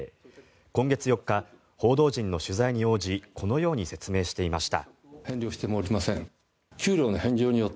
今月４日、報道陣の取材に応じこのように説明していました。